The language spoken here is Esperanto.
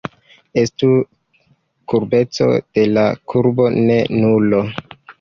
Estu la kurbeco de la kurbo ne nulo.